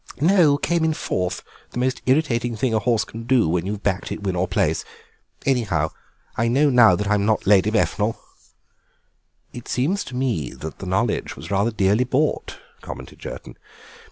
"No, came in fourth, the most irritating thing a horse can do when you've backed it win or place. Anyhow, I know now that I'm not Lady Befnal." "It seems to me that the knowledge was rather dearly bought," commented Jerton.